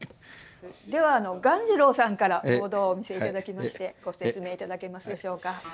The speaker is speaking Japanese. では鴈治郎さんからボードをお見せいただきましてご説明いただけますでしょうか？